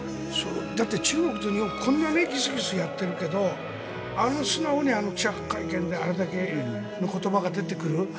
中国と日本はこんなにギスギスやっているけど素直に記者会見であれだけの言葉が出てくる。